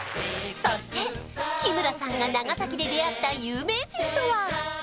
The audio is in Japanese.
そして日村さんが長崎で出会った有名人とは？